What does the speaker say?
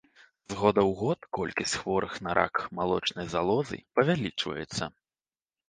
З года ў год колькасць хворых на рак малочнай залозы павялічваецца.